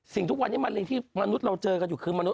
ทุกวันนี้มะเร็งที่มนุษย์เราเจอกันอยู่คือมนุษ